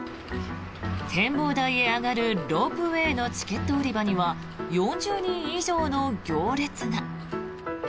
展望台へ上がるロープウェーのチケット売り場には４０人以上の行列が。